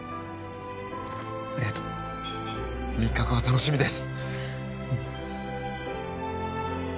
ありがとう３日後が楽しみです